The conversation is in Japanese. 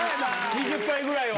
２０杯ぐらいは？